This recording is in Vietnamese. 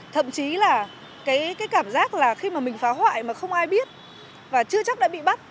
thậm chí là cái cảm giác là khi mà mình phá hoại mà không ai biết và chưa chắc đã bị bắt